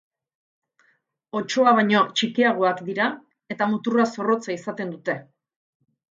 Otsoa baino txikiagoak dira eta muturra zorrotza izaten dute.